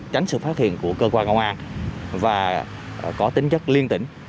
tránh sự phát hiện của cơ quan công an và có tính chất liên tỉnh